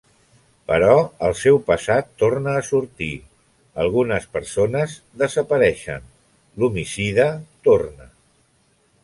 Però el seu passat torna a sortir: algunes persones desapareixen, l'homicida torna.